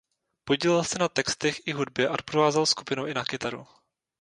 Podílel se na textech i hudbě a doprovázel skupinu i na kytaru.